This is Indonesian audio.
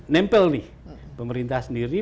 nempel nih pemerintah sendiri